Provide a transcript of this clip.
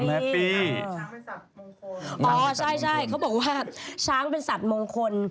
แล้วผู้ใช้รากไปไหน